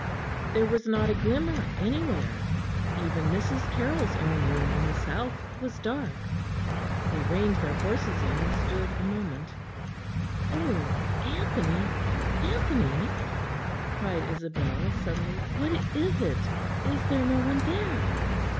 There was not a glimmer anywhere; even Mrs. Carroll's own room on the south was dark. They reined their horses in and stood a moment. "Oh, Anthony, Anthony!" cried Isabel suddenly, "what is it? Is there no one there?"